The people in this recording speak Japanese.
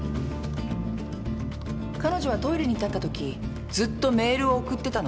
彼女はトイレに立ったときずっとメールを送ってたの。